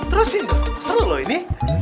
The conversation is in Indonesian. terusin seru loh ini